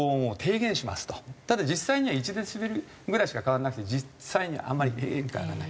ただ実際には１デシベルぐらいしか変わらなくて実際にあまり変化がない。